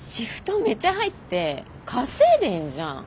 めちゃ入って稼いでんじゃん。